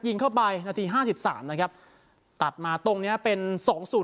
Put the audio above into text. ยิงเข้าไปนาทีห้าสิบสามนะครับตัดมาตรงเนี้ยเป็นสองศูนย์